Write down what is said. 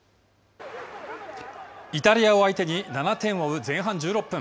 イタリアを相手に７点を追う前半１６分。